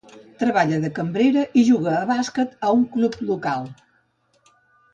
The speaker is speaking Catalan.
Treballa de cambrera i juga a bàsquet a un club local.